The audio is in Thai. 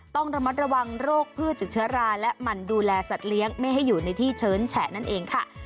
ต้องระมัดระวังโรคพืชจากเชื้อราและหมั่นดูแลสัตว์เลี้ยงไม่ให้อยู่ในที่เชิญแฉะนั่นเองค่ะ